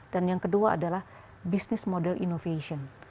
dan yang kedua adalah business model innovation